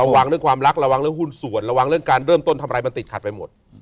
เรื่องความรักระวังเรื่องหุ้นส่วนระวังเรื่องการเริ่มต้นทำอะไรมันติดขัดไปหมด